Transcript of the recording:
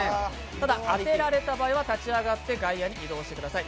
ただ、当てられた場合は立ち上がって外野に移動してください。